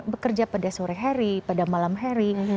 bekerja pada sore hari pada malam hari